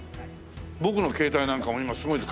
僕の携帯なんかも今すごいです。